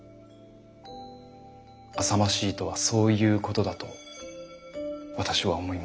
あさましいとはそういうことだと私は思います。